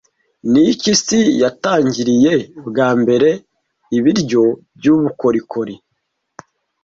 Niki isi yatangiriye bwa mbere ibiryo byubukorikori